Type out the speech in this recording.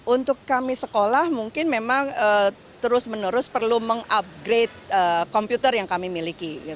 untuk kami sekolah mungkin memang terus menerus perlu mengupgrade komputer yang kami miliki